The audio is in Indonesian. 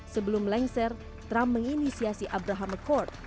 sebelum melengser trump menginisiasi abraham accord